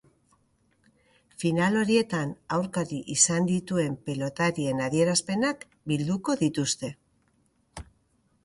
Final horietan aurkari izan dituen pilotarien adierazpenak bilduko dituzte.